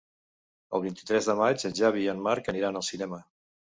El vint-i-tres de maig en Xavi i en Marc aniran al cinema.